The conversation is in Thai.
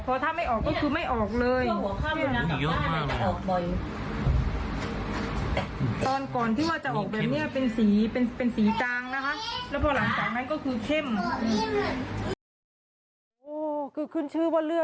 พอถ้าไม่ออกก็คือไม่ออกเลย